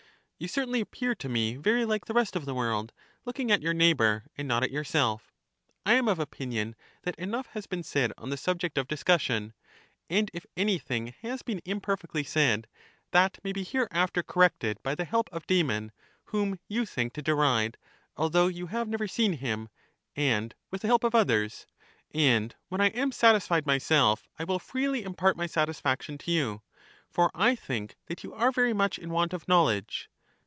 You certainly appear to me very like the rest of the world, looking at your neighbor and 118 LACHES not at yourself. I am of opinion that enough has been said on the subject of discussion; and if anything has been imperfectly said, that may be hereafter cor rected by the help of Damon, whom you think to deride, although you have never seen him, and with the help of others. And when I am satisfied myself, I will freely impart my satisfaction to you, for I think that you are very much in want of knowledge.